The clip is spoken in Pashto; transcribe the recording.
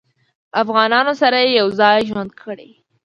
له افغانانو سره یې یو ځای ژوند کړی.